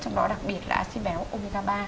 trong đó đặc biệt là acid béo omega ba